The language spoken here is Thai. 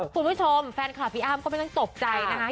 คุณผู้ชมแฟนคลับพี่อ้ำก็ไม่ต้องตกใจนะคะ